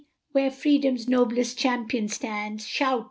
where freedom's noblest champion stands, Shout!